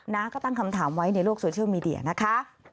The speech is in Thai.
นะก็ตั้งคำถามไว้ในโลกโซเชียลมีเดียนะคะ